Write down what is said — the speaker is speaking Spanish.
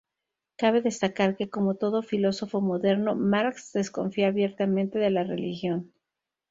Cabe destacar que, como todo filósofo moderno, Marx desconfía abiertamente de la religión.